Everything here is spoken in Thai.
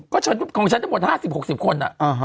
ก็ของฉันทั้งหมด๕๐๖๐คน